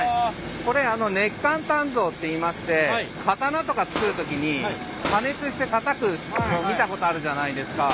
これ熱間鍛造っていいまして刀とか作る時に加熱してたたくの見たことあるじゃないですか。